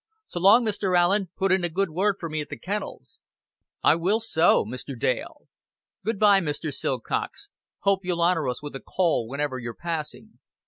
"So long, Mr. Allen. Put in a good word for me at the Kennels." "I will so, Mr. Dale." "Good by, Mr. Silcox. Hope you'll honor us with a call whenever you're passing.